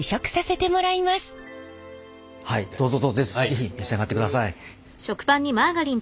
はいどうぞどうぞ是非召し上がってください。